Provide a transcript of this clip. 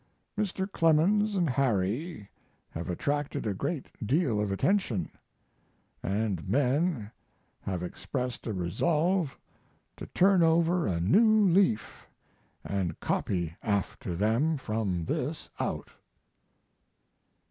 Mr. Clemens & Harry have attracted a great deal of attention, & men have expressed a resolve to turn over a new leaf & copy after them from this out.